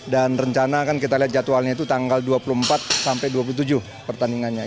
dan rencana kan kita lihat jadwalnya itu tanggal dua puluh empat sampai dua puluh tujuh pertandingannya